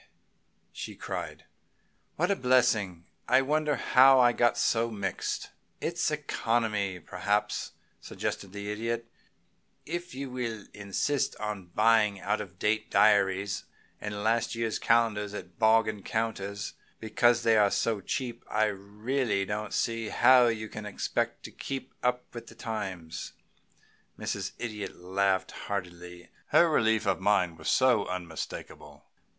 she cried, "what a blessing! I wonder how I got so mixed!" "It's economy, perhaps," suggested the Idiot. "If you will insist on buying out of date diaries and last year's calendars at bargain counters because they are cheap, I don't really see how you can expect to keep up with the times." Mrs. Idiot laughed heartily. Her relief of mind was unmistakable.